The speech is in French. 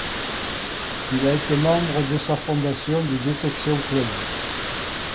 Il a été membre, dès sa fondation, du Detection Club.